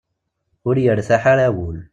Ur yertaḥ ara wul.